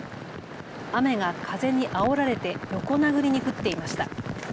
雨が風にあおられて横殴りに降っていました。